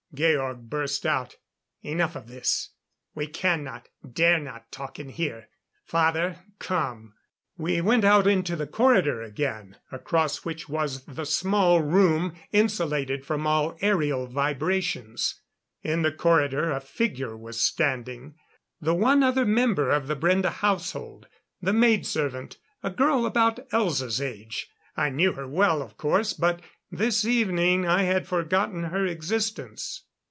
Georg burst out. "Enough of this. We cannot dare not talk in here. Father, come " We went out into the corridor again, across which was the small room insulated from all aerial vibrations. In the corridor a figure was standing the one other member of the Brende household the maid servant, a girl about Elza's age. I knew her well, of course, but this evening I had forgotten her existence.